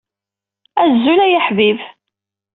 Azul a aḥbib!